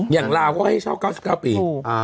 อย่างราวก็ให้เช่า๙๙ปี